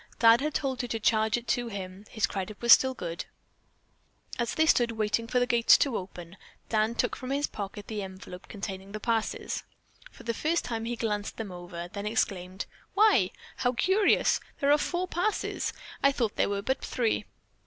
Dad had told her to charge it to him. His credit was still good. As they stood waiting for the gates to open, Dan took from his pocket the envelope containing the passes. For the first time he glanced them over, then exclaimed: "Why, how curious! There are four passes! I thought there were but three.